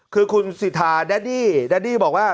คือคุณสิริทาแดดดี้บอกว่า